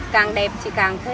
càng đẹp chị càng thích